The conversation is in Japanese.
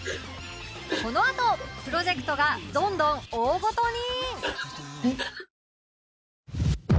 このあとプロジェクトがどんどん大事に！